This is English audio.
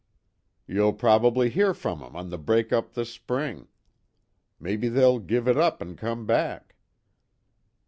"You'll prob'ly hear from 'em on the break up this spring. Maybe they'll give it up an' come back."